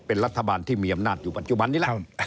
เป็นรัฐบาลที่มีอำนาจอยู่ปัจจุบันนี้แหละ